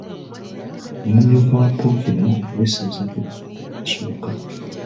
Omumyuka wa Ppookino w’essaza Buddu asooka.